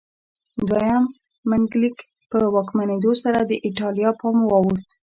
دویم منیلیک په واکمنېدو سره د ایټالیا پام واوښت.